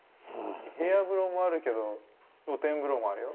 部屋風呂もあるけど露天風呂もあるよ。